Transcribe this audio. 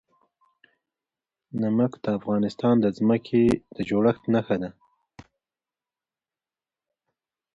نمک د افغانستان د ځمکې د جوړښت نښه ده.